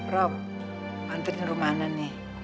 rob anterin rumana nih